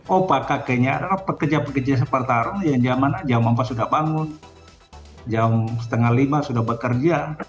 opa kakeknya adalah pekerja pekerja sepertarung yang jam empat sudah bangun jam setengah lima sudah bekerja